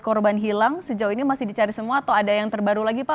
korban hilang sejauh ini masih dicari semua atau ada yang terbaru lagi pak